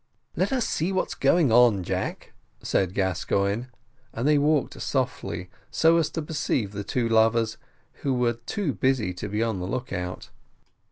"Let us see what's going on, Jack," said Gascoigne; and they walked softly, so as to perceive the two lovers, who were too busy to be on the lookout.